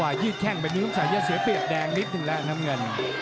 ถ้ายยืดแค่งแบบนี้แต้มีสวีตเปียกแชรกดูแลน้ำเงิน